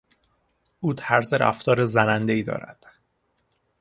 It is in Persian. او طرز رفتار زنندهای دارد.